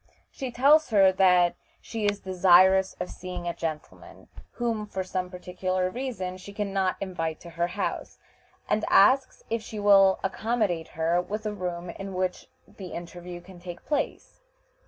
She tells her that she is desirous of seeing a gentleman, whom, for some particular reason, she can not invite to her house, and asks if she will accommodate her with a room in which the interview can take place.